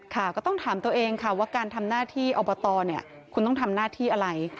ค่ะก็ต้องถามตัวเองค่ะว่าการทำหน้าที่อบตเนี่ยคุณต้องทำหน้าที่อะไร